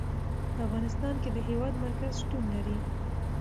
په افغانستان کې د هېواد مرکز شتون لري.